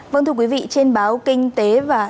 vâng thưa quý vị trên báo kinh tế và